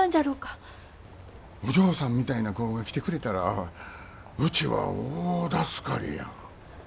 お嬢さんみたいな子が来てくれたらうちは大助かりや。